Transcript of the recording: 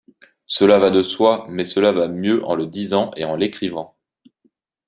Cela va de soi mais cela va mieux en le disant et en l’écrivant.